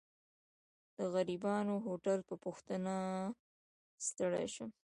د غريبانه هوټل په پوښتنه ستړی شوم.